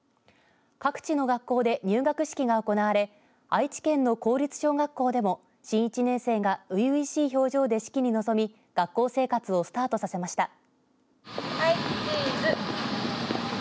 各地の学校で入学式が行われ愛知県の公立小学校でも新１年生が初々しい表情で式に臨み学校生活をスタートさせました。